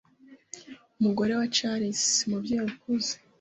Umugore wa Charles, umubyeyi ukuze,